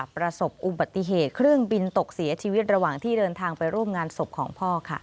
ประสบอุบัติเหตุเครื่องบินตกเสียชีวิตระหว่างที่เดินทางไปร่วมงานศพของพ่อค่ะ